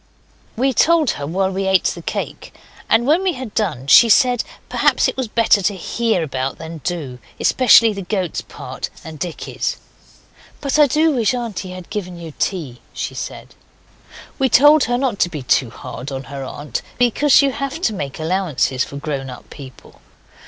We told her while we ate the cake; and when we had done she said perhaps it was better to hear about than do, especially the goat's part and Dicky's. 'But I do wish auntie had given you tea,' she said. We told her not to be too hard on her aunt, because you have to make allowances for grown up people.